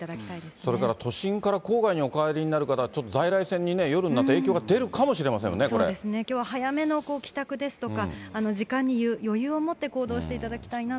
それから都心から郊外にお帰りになる方、ちょっと在来線に夜になったら影響が出るかもしれませんもんね、そうですね、きょうは早めの帰宅ですとか、時間に余裕を持って行動していただきたいなと